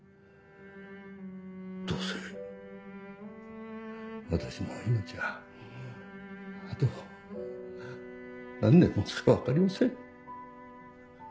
どうせ私の命はあと何年持つか分かりません。